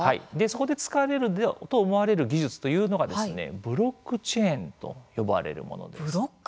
そこで使われると思われる技術というのがブロックチェーンと呼ばれるものです。